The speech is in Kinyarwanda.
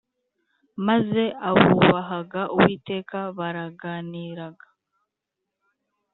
Maze abubahaga Uwiteka baraganiraga